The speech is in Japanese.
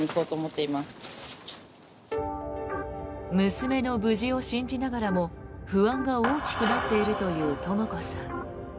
娘の無事を信じながらも不安が大きくなっているというとも子さん。